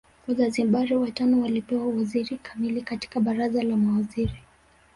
Wazanzibari watano walipewa uwaziri kamili katika Baraza la Mawaziri